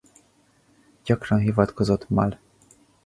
Gyakran hivatkozott Mal.